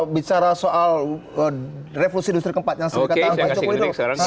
bicara soal revolusi industri keempat yang sudah dikatakan pak cok widho